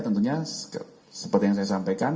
tentunya seperti yang saya sampaikan